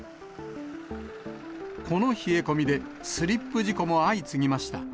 この冷え込みで、スリップ事故も相次ぎました。